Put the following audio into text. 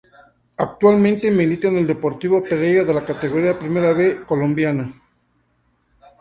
Actualmente milita en el Deportivo Pereira de la Categoría Primera B colombiana.